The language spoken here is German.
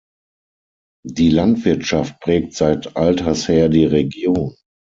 Die Landwirtschaft prägt seit alters her die Region.